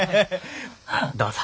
どうぞ。